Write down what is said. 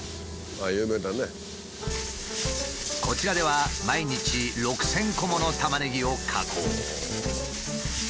こちらでは毎日６，０００個ものタマネギを加工。